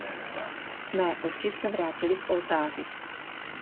Mé oči se vrátily k oltáři.